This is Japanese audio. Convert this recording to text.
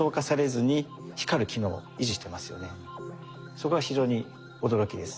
そこが非常に驚きです。